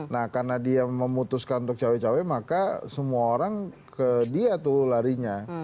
nah karena dia memutuskan untuk cawe cawe maka semua orang ke dia tuh larinya